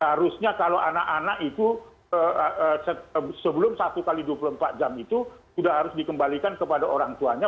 harusnya kalau anak anak itu sebelum satu x dua puluh empat jam itu sudah harus dikembalikan kepada orang tuanya